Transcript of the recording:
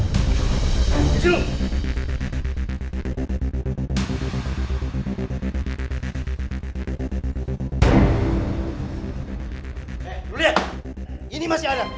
eh lu liat ini masih ada